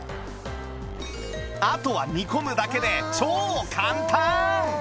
あとは煮込むだけで超簡単！